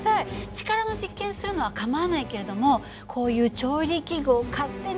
力の実験するのは構わないけれどもこういう調理器具を勝手に改造するのとか